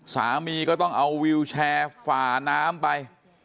สามีก็ต้องเอาวิวแชร์ฝ่าน้ำไป